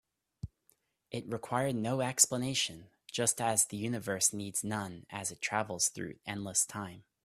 It required no explanation, just as the universe needs none as it travels through endless time.